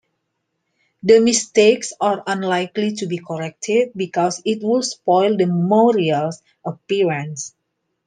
The mistakes are unlikely to be corrected because it would spoil the memorial's appearance.